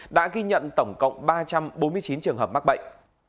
đã ghi nhận tổng cộng ba trăm bốn mươi chín trường hợp mắc bệnh